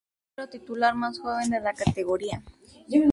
Es el arquero titular más joven de la categoría.